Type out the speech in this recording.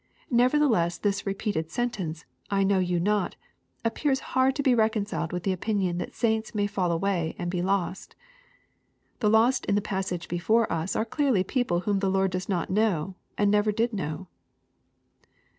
Nevertheless this repeated sentence, " I know you not," appears hard to be reconciled with the opinion that sainta may fall away and be lost. The lost in the passage before ua are clearly people whom the Lord does not know, and never did know.